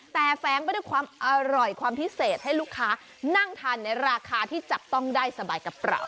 แต่แฟ้งไปด้วยความอร่อยความพิเศษให้ลูกค้านั่งทานในราคาที่จับต้องได้สบายกระเป๋า